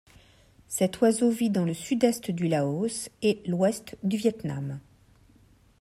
Cet oiseau vit dans le sud-est du Laos et l'ouest du Viet-Nam.